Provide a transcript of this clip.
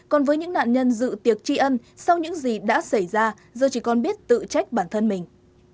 còn với những nạn nhân dự tiệc tri ân sau những gì đã xảy ra giờ chỉ còn biết tự trách bản thân mình